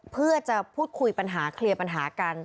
เพื่อจะพูดคุยปัญหาเคลียร์ปัญหากัน